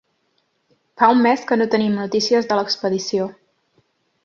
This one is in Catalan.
Fa un mes que no tenim notícies de l'expedició.